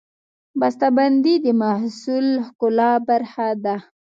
بستهبندي د محصول د ښکلا برخه ده.